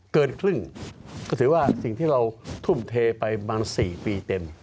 เกินครึ่งก็ถือว่าสิ่งที่เราทุ่มเทไปบาง๔ปีเต็ม